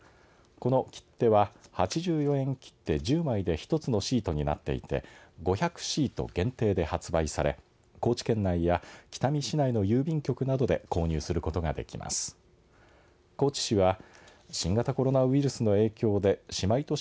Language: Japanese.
この切手は８４円切手１０枚で１つのシートになっていて５００シート限定で発売され高知県内や北見市内の郵便局などで購入することができます。